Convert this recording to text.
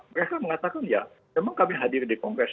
mereka mengatakan ya memang kami hadir di kongres